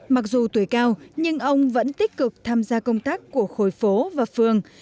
mặc dù tuổi cao nhưng ông vẫn tích cực tham gia công tác của khối phố và phường